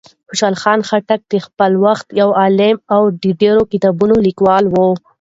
خوشحال خان خټک د خپل وخت یو عالم او د ډېرو کتابونو لیکوال و.